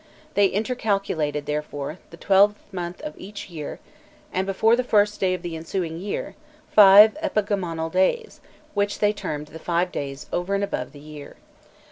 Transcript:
They intercalated, therefore, after the twelfth month of each year and before the first day of the ensuing year, five epagomenal days, which they termed the "five days over and above the year."